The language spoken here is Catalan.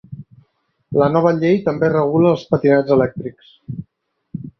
La nova llei també regula els patinets elèctrics.